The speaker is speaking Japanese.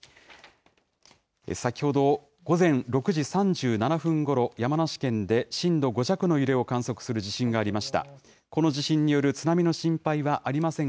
先ほど午前６時３７分ごろ、山梨県で震度５弱の揺れを観測する地震がありました。